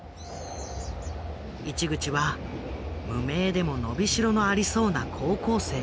市口は無名でも伸びしろのありそうな高校生を探し歩いた。